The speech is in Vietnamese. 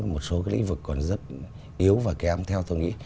một số cái lĩnh vực còn rất yếu và kém theo tôi nghĩ